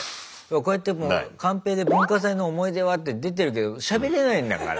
こうやってカンペで「文化祭の思い出は？」って出てるけどしゃべれないんだから。